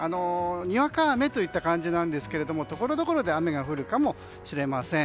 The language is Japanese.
にわか雨といった感じですがところどころで雨が降るかもしれません。